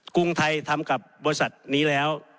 กรุงไทยทำกับบริษัทนี้แล้ว